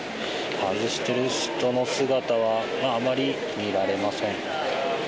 外している人の姿は、あまり見られません。